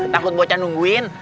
takut bocah nungguin